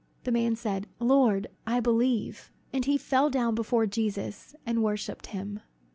The man said, "Lord, I believe." And he fell down before Jesus, and worshipped him.